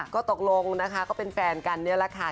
ก็ตกลงนะคะก็เป็นแฟนกันนี่แหละค่ะ